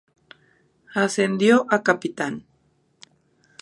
Ascendió a capitán.